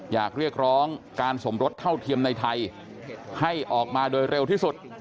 อยากเรียกร้องการสมรสเท่าเทียมในไทยให้ออกมาโดยเร็วที่สุด